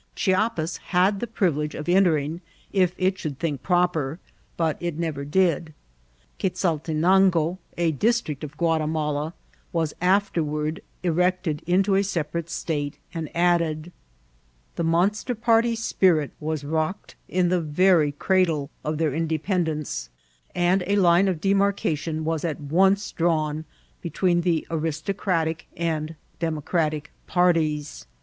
Chiapas had the privilege of entering if it should think i»oper, but it never did. Quessaltenango, a district of Guatimala, was afterward erected into a separate state, and added. The monster party q>irit was rocked in the very crar die of their independence, and a line of demarcation was at once drawn between the Aristocratic and Demo cratic parties.